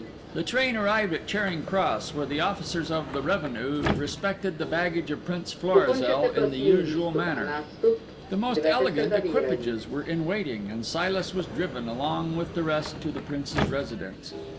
The train arrived at Charing Cross, where the officers of the Revenue respected the baggage of Prince Florizel in the usual manner. The most elegant equipages were in waiting; and Silas was driven, along with the rest, to the Prince's residence.